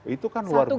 itu kan luar biasa